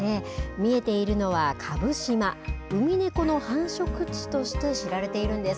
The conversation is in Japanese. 見えているのは、蕪島、ウミネコの繁殖地として知られているんです。